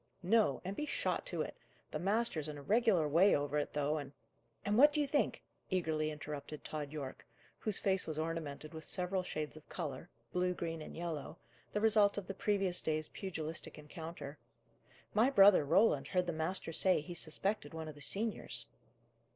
"No, and be shot to it! The master's in a regular way over it, though, and " "And what do you think?" eagerly interrupted Tod Yorke, whose face was ornamented with several shades of colour, blue, green, and yellow, the result of the previous day's pugilistic encounter: "my brother Roland heard the master say he suspected one of the seniors."